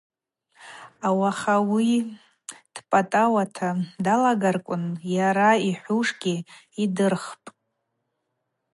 Ауахьауи дпӏатӏауа далагарквын йара йхӏвушгьи йдырхпӏ.